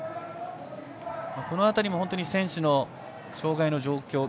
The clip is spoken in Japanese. この辺りも選手の障がいの状況